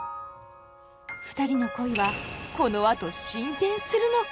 ふたりの恋はこのあと進展するのか。